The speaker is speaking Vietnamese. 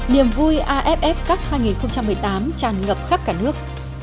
nhiềm vui aff cắt hai nghìn một mươi tám tràn ngập khắp cả nước